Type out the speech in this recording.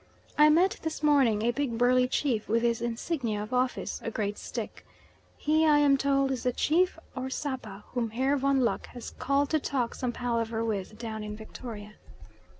I met this morning a big burly chief with his insignia of office a great stick. He, I am told, is the chief or Sapa whom Herr von Lucke has called to talk some palaver with down in Victoria.